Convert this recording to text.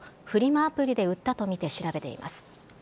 アプリで売ったとみて調べています。